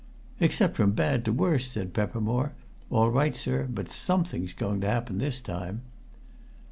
"Except from bad to worse!" said Peppermore. "All right, sir; but something's going to happen, this time."